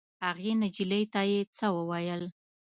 هغې نجلۍ ته یې څه وویل.